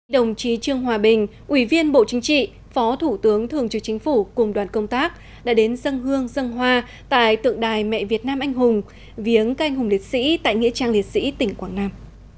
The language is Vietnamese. đồng chí trương hòa bình ủy viên bộ chính trị phó thủ tướng thường trực chính phủ cùng đoàn công tác đã đến dân hương dân hoa tại tượng đài mẹ việt nam anh hùng viếng canh hùng liệt sĩ tại nghĩa trang liệt sĩ tỉnh quảng nam